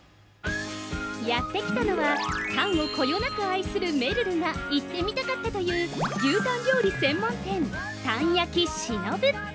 ◆やってきたのはタンをこよなく愛するめるるが行ってみたかったという牛タン料理専門店、たん焼忍。